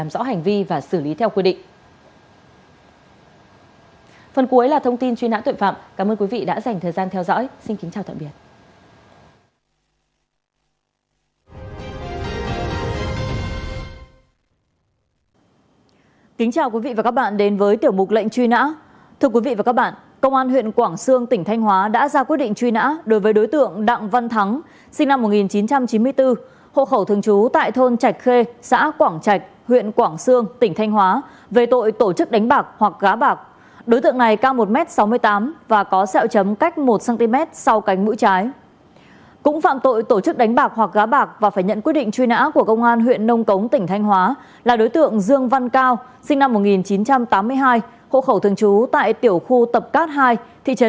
đối tượng này cao một m sáu mươi tám và có xeo chấm cách một cm sau cánh mũi trái